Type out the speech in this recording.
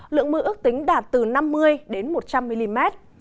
lượng mưa ước tính đạt từ năm mươi đến một trăm linh mm